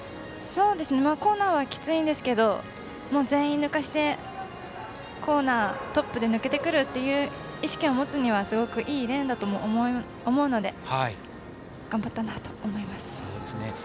コーナーはきついんですけど全員抜かして、コーナートップで抜けてくるっていう意識を持つにはすごくいいレーンだとも思うので頑張ったなと思います。